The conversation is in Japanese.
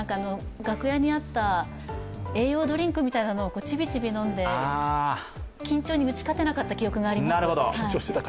楽屋にあった栄養ドリンクみたいなのをちびちび飲んで、緊張に打ち勝てなかった記憶があります。